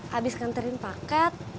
habiskan terin paket